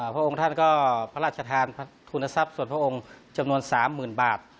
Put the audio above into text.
พระองค์ท่านก็พระราชทานทุนทรัพย์ส่วนพระองค์จำนวน๓๐๐๐บาท